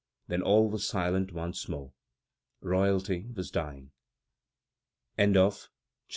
Then all was silent once more. Royalty was dying! XXXII.